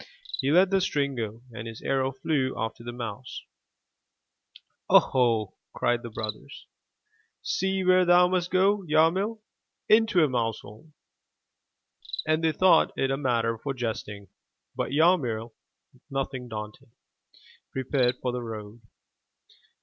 He let the string go, and his arrow flew after the mouse. 0 ho!'' cried the brothers. ''See where thou must go, Yarmil! Into a mousehole!*' And they thought it a matter for jesting. But Yarmil, nothing daunted, prepared for the road.